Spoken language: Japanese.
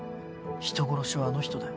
人殺しはあの人だよ。